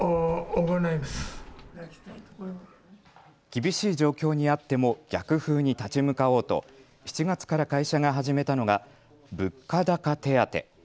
厳しい状況にあっても逆風に立ち向かおうと７月から会社が始めたのが物価高手当。